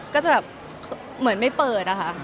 ก็จะแบบเหมือนไม่เปิดอะค่ะ